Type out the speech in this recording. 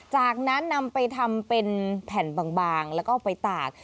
จากนั้นนำไปทำเป็นแผ่นบางแล้วก็เอาไปตาก